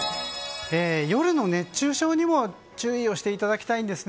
夜の熱中症にも注意をしていただきたいんです。